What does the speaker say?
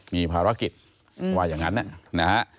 มีภารกิจว่าอย่างนั้นนะฮะ